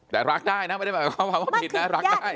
แต่รักได้นะไม่ได้หมายความว่าผิดนะรักได้